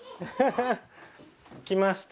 来ました。